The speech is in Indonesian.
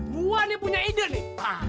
gua nih punya ide nih